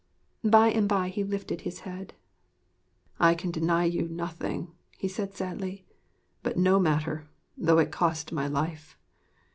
By and by he lifted his head: 'I can deny you nothing,' he said sadly. 'But no matter, though it cost me my life....